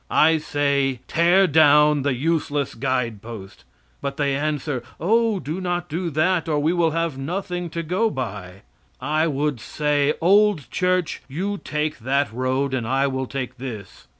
I say, "Tear down the useless guidepost," but they answer, "Oh, do not do that or we will have nothing to go by." I would say, "Old Church, you take that road and I will take this."